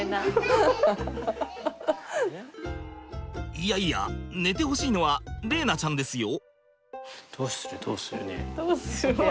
いやいや寝てほしいのは玲菜ちゃんですよ。